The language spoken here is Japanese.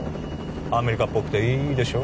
アメリカっぽくていいでしょ？